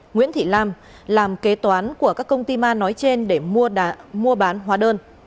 nguyễn thị lam làm kế toán của các công ty ma nói trên để mua bán hóa đơn